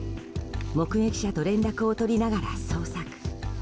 目撃者と連絡を取りながら捜索。